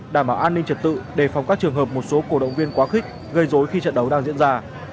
đảm bảo an ninh trật tự đề phòng các trường hợp một số cổ động viên quá khích gây dối khi trận đấu đang diễn ra